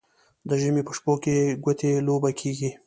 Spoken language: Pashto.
د ژمي په شپو کې ګوتې لوبه کیږي.